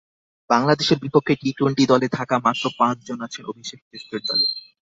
বাংলাদেশের বিপক্ষে T twenty দলে থাকা মাত্র পাঁচজন আছেন অভিষেক টেস্টের দলে।